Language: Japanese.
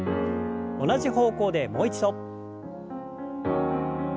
同じ方向でもう一度。